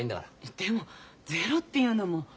でもゼロっていうのも。